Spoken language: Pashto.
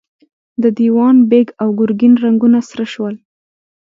د دېوان بېګ او ګرګين رنګونه سره شول.